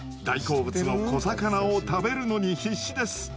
大好物の小魚を食べるのに必死です。